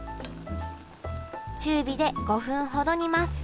中火で５分ほど煮ます